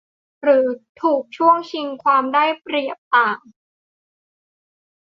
หรือถูกช่วงชิงความได้เปรียบต่าง